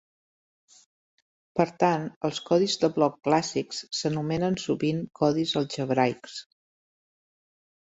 Per tant, els codis de bloc clàssics s'anomenen sovint codis algebraics.